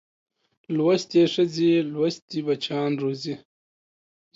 لوستې ښځې لوستي بچیان روزي